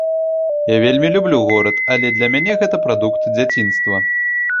Я вельмі люблю горад, але для мяне гэта прадукт дзяцінства.